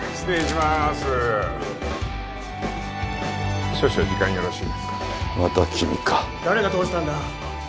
また君か・誰が通したんだ！？